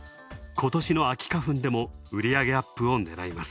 今年の秋花粉でも売り上げアップを狙います。